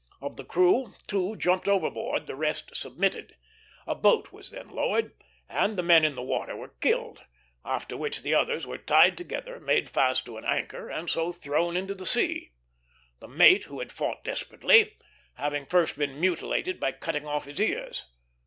Of the crew, two jumped overboard; the rest submitted. A boat was then lowered, and the men in the water were killed; after which the others were tied together, made fast to an anchor, and so thrown into the sea, the mate, who had fought desperately, having first been mutilated by cutting off his ears.